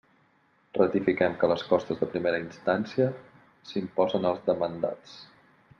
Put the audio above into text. Ratifiquem que les costes de primera instància s'imposen als demandats.